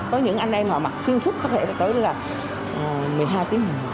có những anh em mà mặc xuyên suất có thể tới là một mươi hai tiếng